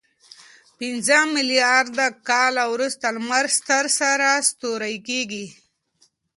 پنځه میلیارد کاله وروسته لمر ستر سره ستوری کېږي.